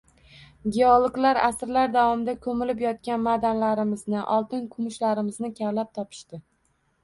Geologlar asrlar davomida ko’milib yotgan ma’danlarimizni, oltin-kumushlarimizni kavlab topishdi